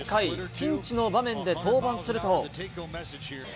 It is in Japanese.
ピンチの場面で登板すると。